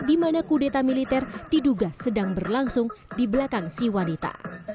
di mana kudeta militer diduga sedang berlangsung di belakang si wanita